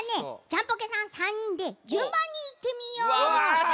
ジャンポケさん３にんでじゅんばんにいってみよう！